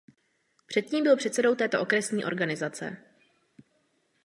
Předtím byl předsedou této okresní organizace.